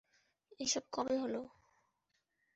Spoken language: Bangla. এসব কবে হলো?